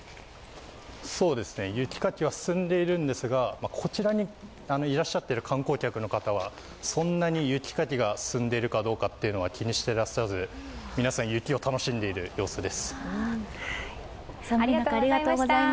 雪かきは進んでいるんですがこちらにいらっしゃっている観光客の方は、そんなに雪かきが進んでいるかどうかは気にしていらっしゃらず、皆さん雪を楽しんでいる様子です。